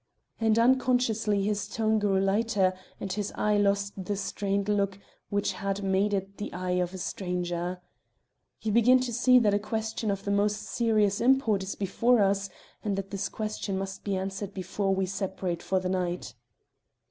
And unconsciously his tone grew lighter and his eye lost the strained look which had made it the eye of a stranger. "You begin to see that a question of the most serious import is before us, and that this question must be answered before we separate for the night."